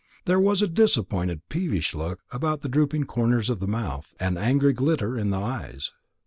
There was a disappointed peevish look about the drooping corners of the mouth, an angry glitter in the eyes.